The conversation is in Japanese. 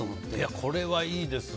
これはいいですね。